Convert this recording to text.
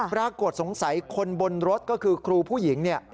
ปรากฏสงสัยคนบนรถก็คือครูผู้หญิงเนี่ย